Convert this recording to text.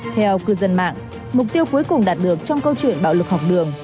theo cư dân mạng mục tiêu cuối cùng đạt được trong câu chuyện bạo lực học đường